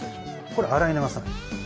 これ洗い流さない。